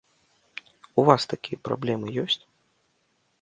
У вас такія праблемы ёсць?